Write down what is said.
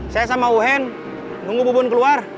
saya sama wu hen nunggu bubun keluar